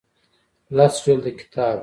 لس جلده کتاب